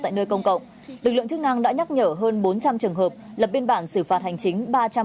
tại nơi công cộng lực lượng chức năng đã nhắc nhở hơn bốn trăm linh trường hợp lập biên bản xử phạt hành chính